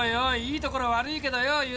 いいところ悪いけどよ憂